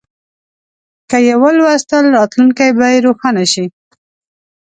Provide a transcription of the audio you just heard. که یې ولوستل، راتلونکی به روښانه شي.